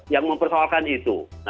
yang mempersoalkan itu